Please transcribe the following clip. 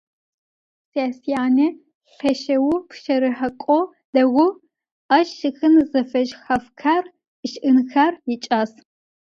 Se syane lheşşeu pşerıhek'o değu, aş şşxın zefeşshafxer ış'ınxer yiç'as.